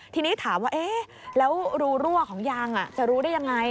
ทีนี้ถามว่าเอ๊ะแล้วรูรั่วของยางจะรู้ได้ยังไง